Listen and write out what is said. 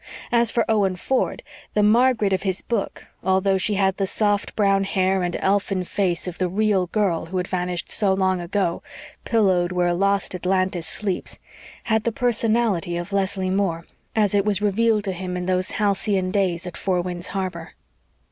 As for Owen Ford, the "Margaret" of his book, although she had the soft brown hair and elfin face of the real girl who had vanished so long ago, "pillowed where lost Atlantis sleeps," had the personality of Leslie Moore, as it was revealed to him in those halcyon days at Four Winds Harbor.